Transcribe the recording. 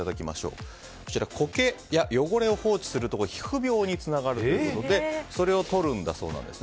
こちら、コケや汚れを放置すると皮膚病につながるということでそれを取るんだそうです。